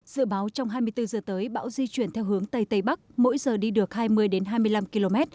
dự báo trong hai mươi bốn giờ tới bão di chuyển theo hướng tây tây bắc mỗi giờ đi được hai mươi hai mươi năm km